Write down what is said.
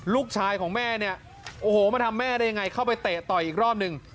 ลูกชายของแม่เนี่ยโอ้โหมาทำแม่ได้ยังไงเข้าไปเตะต่อยอีกรอบหนึ่ง